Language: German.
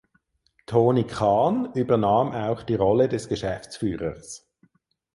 Tony Khan übernahm auch die Rolle des Geschäftsführers.